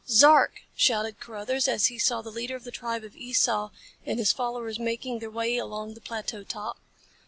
"Zark!" shouted Carruthers, as he saw the leader of the tribe of Esau and his followers making their way along the plateau top.